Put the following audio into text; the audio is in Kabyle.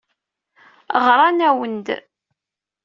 Ɣran-awen-d.